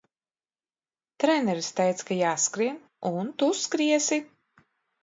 Treneris teica, ka jāskrien, un Tu skriesi!